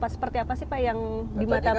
seperti apa sih pak yang di mata pak